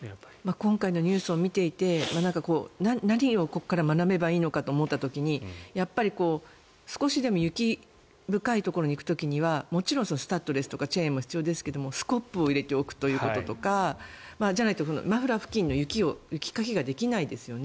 今回のニュースを見ていて何をここから学べばいいのかと思った時少しでも雪が深いところに行く時には、スタッドレスとかチェーンも必要ですけどスコップを入れておくということとかじゃないとマフラー付近の雪かきができないですよね。